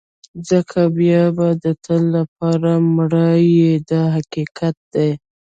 ځکه بیا به د تل لپاره مړ یې دا حقیقت دی.